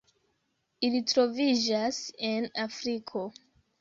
Ili troviĝas en Afriko.